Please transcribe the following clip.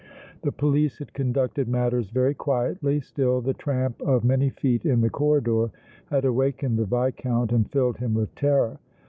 The police had conducted matters very quietly; still, the tramp of many feet in the corridor had awakened the Viscount and filled him with terror.